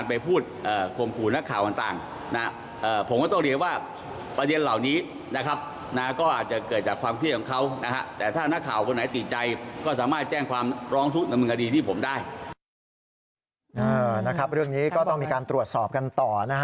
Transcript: เรื่องนี้ก็ต้องมีการตรวจสอบกันต่อนะฮะ